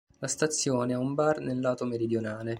La stazione ha un bar nel lato meridionale.